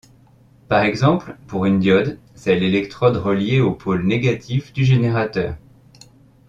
Par exemple, pour une diode, c'est l'électrode reliée au pôle négatif du générateur.